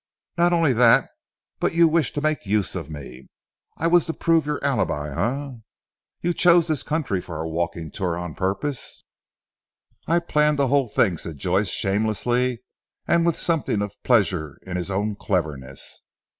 "Not only that, but you wished to make use of me. I was to prove your alibi, Eh? You chose this country for our walking tour on purpose?" "I planned the whole thing," said Joyce shamelessly and with something of pleasure in his own cleverness.